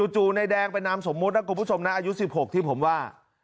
จู่ในแดงไปนำสมมตินะครับคุณผู้ชมนะอายุ๑๖ที่ผมว่า